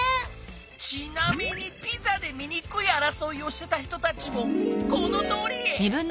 ちなみにピザでみにくいあらそいをしてた人たちもこのとおり！